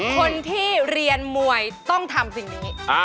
คนที่เรียนมวยต้องทำสิ่งนี้